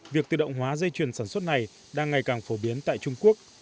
việc tự động hóa dây chuyền sản xuất này đang ngày càng phổ biến tại trung quốc